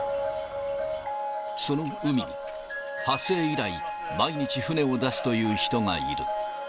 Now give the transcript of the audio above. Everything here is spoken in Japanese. その海に、発生以来、毎日船を出すという人がいる。